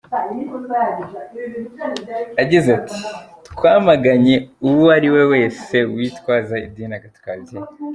Yagize ati « Twamaganye uwari we wese witwaza idini agatuka ababyeyi.